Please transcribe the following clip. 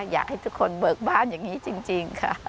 อยากให้ทุกคนเบิกบ้านอย่างนี้จริงค่ะ